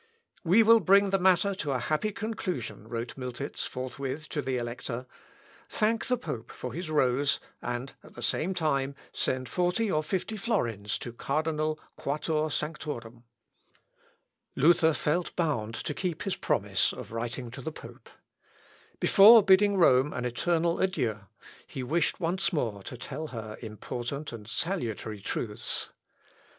"We will bring the matter to a happy conclusion," wrote Miltitz forthwith to the Elector; "Thank the pope for his rose, and at the same time send forty or fifty florins to Cardinal Quatuor Sanctorum." Seckend, p. 268. [Sidenote: LUTHER'S LETTER TO THE POPE.] Luther felt bound to keep his promise of writing the pope. Before bidding Rome an eternal adieu, he wished once more to tell her important and salutary truths.